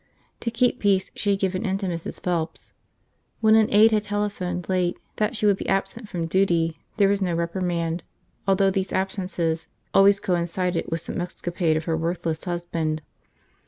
To keep peace she had given in to Mrs. Phelps. When an aide had telephoned, late, that she would be absent from duty there was no reprimand although these absences always coincided with some escapade of her worthless husband.